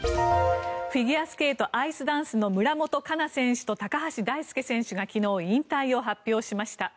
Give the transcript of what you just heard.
フィギュアスケートアイスダンスの村元哉中選手と高橋大輔選手が昨日、引退を発表しました。